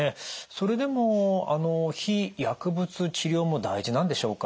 それでも非薬物治療も大事なんでしょうか？